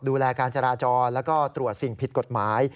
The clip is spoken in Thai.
ดูแลการจราจรแล้วก็ตรวจสิ่งผิดกฎหมาย